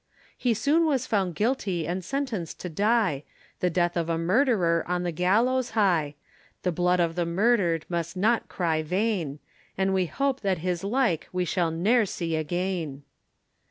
He soon was found guilty and sentenced to die, The death of a murderer on the gallows high, The blood of the murder'd must not cry vain, An we hope that his like we shall ne'er see again.